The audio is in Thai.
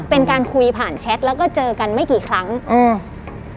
เป็นการคุยผ่านแชทแล้วก็เจอกันไม่กี่ครั้งอืม